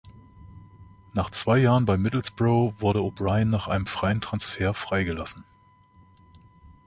Nach zwei Jahren bei Middlesbrough wurde O'Brien nach einem freien Transfer freigelassen.